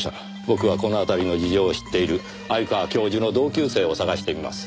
僕はこの辺りの事情を知っている鮎川教授の同級生を探してみます。